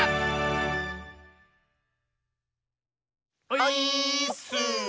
オイーッス！